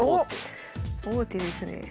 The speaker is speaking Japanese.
王手ですねえ。